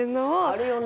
あるよね。